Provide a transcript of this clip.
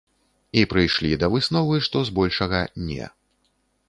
І прыйшлі да высновы, што, з большага, не.